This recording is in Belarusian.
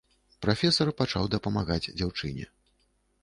Прафесар пачаў дапамагаць дзяўчыне.